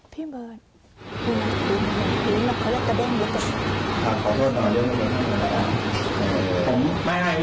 พี่เบิร์ดหรือเขาเรียกกะแดงยังไง